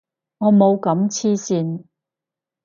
我冇咁黐線